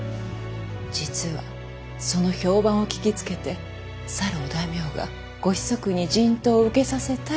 実はその評判を聞きつけてさるお大名がご子息に人痘を受けさせたいと言ってきてな。